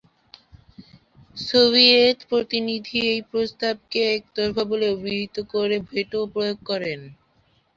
Soviet প্রতিনিধি এই প্রস্তাবকে ‘একতরফা’ বলে অভিহিত করে ভেটো প্রয়োগ করেন।